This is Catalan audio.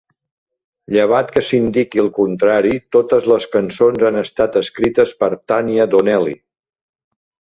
"Llevat que s'indiqui el contrari, totes les cançons han estat escrites per Tanya Donelly".